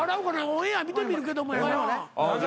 オンエア見てみるけどもやな。